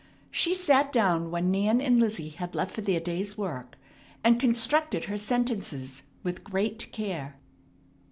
She sat down when Nan and Lizzie had left for their day's work, and constructed her sentences with great care.